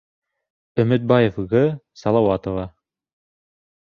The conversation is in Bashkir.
ӨМӨТБАЕВ.Г. САЛАУАТОВА.